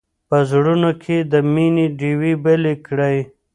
په زړونو کې د مینې ډېوې بلې کړئ.